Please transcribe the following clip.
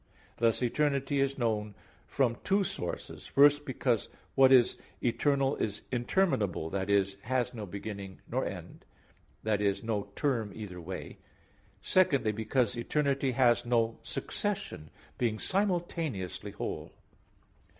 Thus eternity is known from two sources: first, because what is eternal is interminable that is, has no beginning nor end (that is, no term either way); secondly, because eternity has no succession, being simultaneously whole.